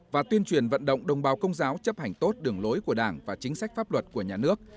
và tuyên truyền vận động đồng bào công giáo chấp hành tốt đường lối của đảng và chính sách pháp luật của nhà nước